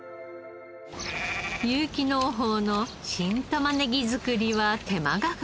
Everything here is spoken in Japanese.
有機農法の新玉ねぎ作りは手間がかかります。